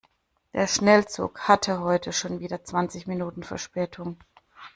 Der Schnellzug hatte heute schon wieder zwanzig Minuten Verspätung.